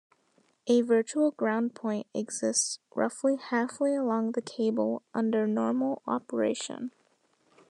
A virtual ground point exists roughly halfway along the cable under normal operation.